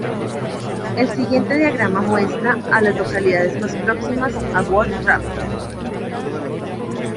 El siguiente diagrama muestra a las localidades más próximas a Wolf Trap.